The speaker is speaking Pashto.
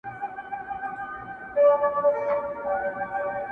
هغه بل پر جواهرو هنرونو،